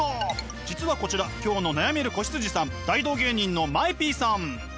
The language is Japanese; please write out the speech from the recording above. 実はこちら今日の悩める子羊さん大道芸人のＭＡＥＰさん。